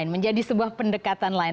menjadi sebuah pendekatan lain